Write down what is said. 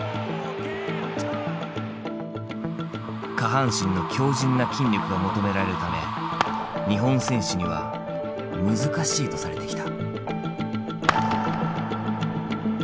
下半身の強じんな筋力が求められるため日本選手には難しいとされてきた。